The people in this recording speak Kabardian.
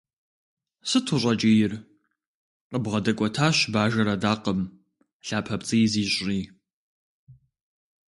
Сыт ущӏэкӏийр?- къыбгъэдэкӏуэтащ бажэр адакъэм, лъапэпцӏий зищӏри.